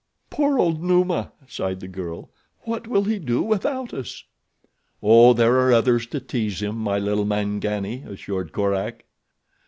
"Poor old Numa," sighed the girl. "What will he do without us?" "Oh, there are others to tease him, my little Mangani," assured Korak.